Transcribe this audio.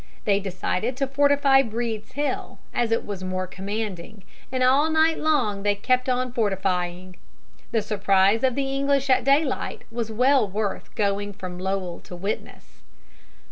They decided to fortify Breed's Hill, as it was more commanding, and all night long they kept on fortifying. The surprise of the English at daylight was well worth going from Lowell to witness.